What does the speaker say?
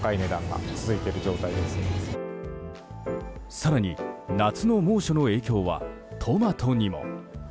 更に、夏の猛暑の影響はトマトにも。